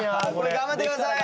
頑張ってください！